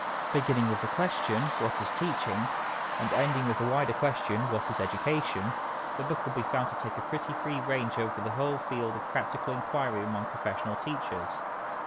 Beginning with the question, What is Teaching? and ending with the wider question, What is Education? the book will be found to take a pretty free range over the whole field of practical inquiry among professional teachers.